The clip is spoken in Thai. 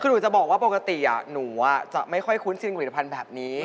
คือหนูจะบอกว่าปกติหนูจะไม่ค่อยคุ้นชินผลิตภัณฑ์แบบนี้